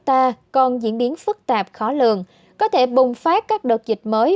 ta còn diễn biến phức tạp khó lường có thể bùng phát các đợt dịch mới